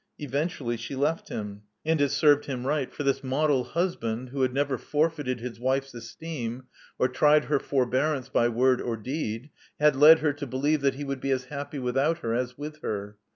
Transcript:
Eventually she left him, and it served 3IO Love Among the Artists him right; for this model husband, who had never forfeited his wife's esteem, or tried her forbearance by word or deed, had led her to believe that he would be as happy without her as with her.